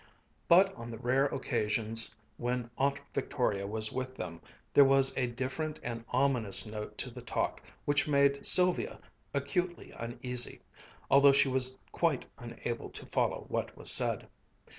But on the rare occasions when Aunt Victoria was with them, there was a different and ominous note to the talk which made Sylvia acutely uneasy, although she was quite unable to follow what was said.